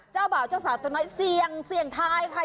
เจ้าบ่าวเจ้าสาวตัวน้อยเสี่ยงเสี่ยงทายค่ะ